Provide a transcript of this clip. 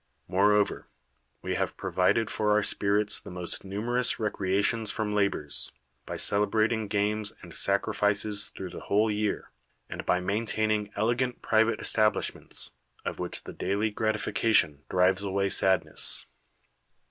IMoreover, we have provided for our spirits the most numerous recreations from laboi's, l/V celebrating games and sacrifices through thr v.hole year, and by maintaining elegant private establishments, of which the daily gratification drives away sadness.